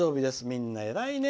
みんな偉いね。